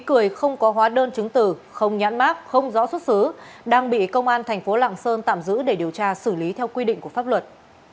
khi cười không có hóa đơn chứng tử không nhãn mác không rõ xuất xứ đang bị công an tp lạng sơn tạm giữ để điều tra xử lý theo quy định của pháp luật